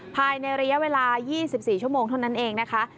ภายในระยะเวลา๒๔ชั่วโมงเท่านั้นเองนะคะ